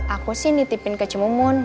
aku sih nitipin ke cimumun